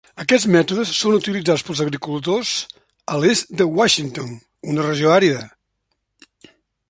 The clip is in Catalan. Aquests mètodes són utilitzats pels agricultors a l'est de Washington, una regió àrida.